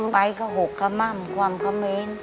ไปก็หกกระม่ำความคำเน้น